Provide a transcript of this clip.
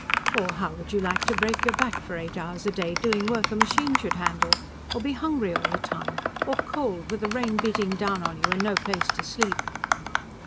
"Or how would you like to break your back for eight hours a day, doing work a machine should handle? Or be hungry all the time? Or cold, with the rain beating down on you, and no place to sleep?"